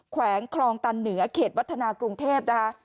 แขวงคลองตันเหนือเขตวัฒนากรุงเทพนะคะ